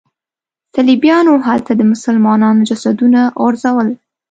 صلیبیانو هلته د مسلمانانو جسدونه غورځول.